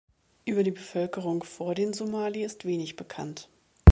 Über die Bevölkerung vor den Somali ist wenig bekannt.